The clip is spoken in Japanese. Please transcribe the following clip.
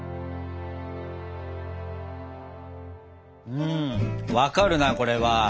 うん分かるなこれは。